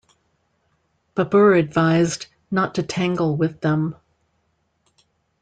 Babur advised not to tangle with them.